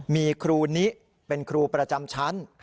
มีครูนิเป็นครูประจำชั้น